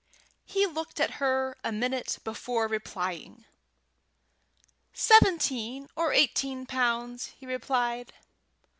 He looked at her a minute before replying. "Seventeen or eighteen pounds," replied he.